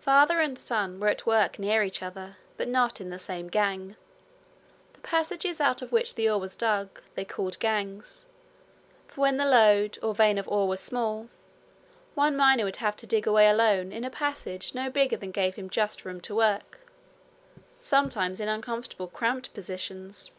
Father and son were at work near each other, but not in the same gang the passages out of which the ore was dug, they called gangs for when the lode, or vein of ore, was small, one miner would have to dig away alone in a passage no bigger than gave him just room to work sometimes in uncomfortable cramped positions.